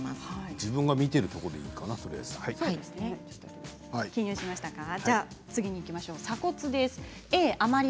自分が見ているところでいいかな、とりあえず。